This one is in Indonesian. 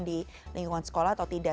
di lingkungan sekolah atau tidak